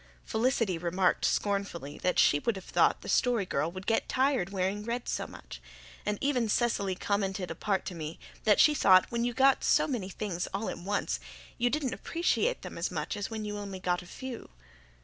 Felicity remarked scornfully that she would have thought the Story Girl would get tired wearing red so much, and even Cecily commented apart to me that she thought when you got so many things all at once you didn't appreciate them as much as when you only got a few.